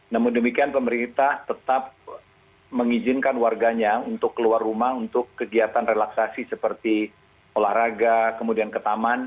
namun demikian pemerintah tetap mengizinkan warganya untuk keluar rumah untuk kegiatan relaksasi seperti olahraga kemudian ke taman